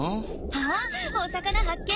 あっお魚発見。